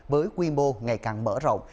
với quy mô ngày càng mở rộng